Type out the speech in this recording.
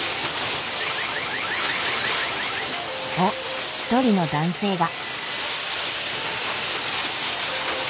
おっ一人の男性が。